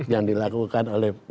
yang dilakukan oleh